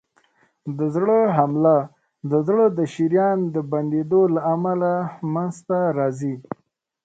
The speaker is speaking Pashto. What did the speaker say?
د زړه حمله د زړه د شریان د بندېدو له امله منځته راځي.